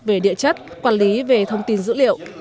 về địa chất quản lý về thông tin dữ liệu